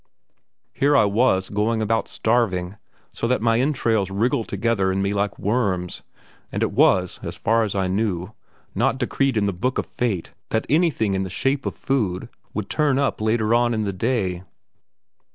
Here I was going about starving, so that my entrails wriggle together in me like worms, and it was, as far as I knew, not decreed in the book of fate that anything in the shape of food would turn up later on in the day.